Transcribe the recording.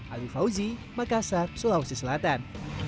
alwi fauzi makassar sulawesi selatan